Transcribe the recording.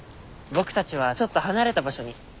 僕たちはちょっと離れた場所に。